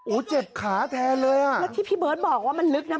เจ็บขาแทนเลยอ่ะแล้วที่พี่เบิร์ตบอกว่ามันลึกนะ